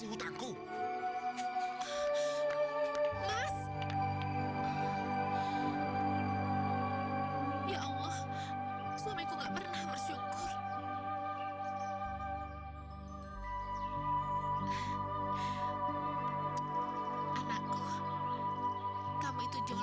lihat tuh cuma semua